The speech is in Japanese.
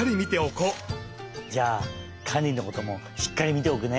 じゃあカンリのこともしっかりみておくね！